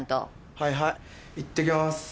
はいはいいってきます。